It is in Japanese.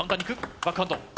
バックハンド。